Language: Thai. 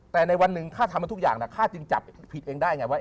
แต่ในวันหนึ่งข้าทำให้ทุกอย่างข้าจึงจับผิดเองได้ไงว่า